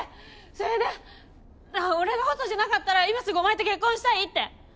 それで俺がホストじゃなかったら今すぐお前と結婚したいって。